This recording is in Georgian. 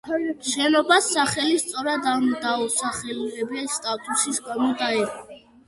შენობას სახელი სწორედ ამ დაუსახლებელი სტატუსის გამო დაერქვა.